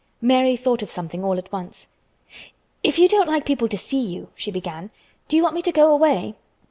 Mary thought of something all at once. "If you don't like people to see you," she began, "do you want me to go away?"